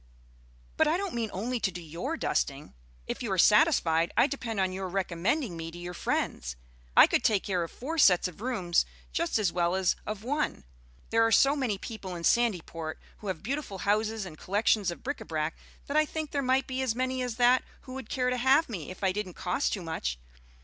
"But I don't mean only to do your dusting. If you are satisfied, I depend on your recommending me to your friends. I could take care of four sets of rooms just as well as of one. There are so many people in Sandyport who have beautiful houses and collections of bric à brac, that I think there might be as many as that who would care to have me if I didn't cost too much.